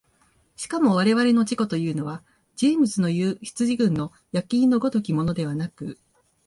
しかも我々の自己というのはジェームスのいう羊群の焼印の如きものではなく、